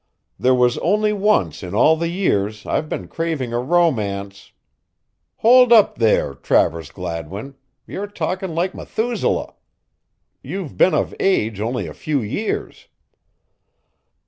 There was only once in all the years I've been craving a romance" "Hold up there, Travers Gladwin, you're talking like Methusaleh. You've been of age only a few years."